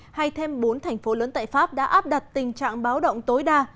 hay thêm bốn thành phố lớn tại pháp đã áp đặt tình trạng báo động tối đa